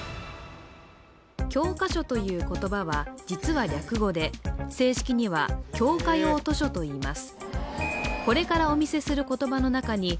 教科書という言葉は実は略語で正式には教科用図書といいます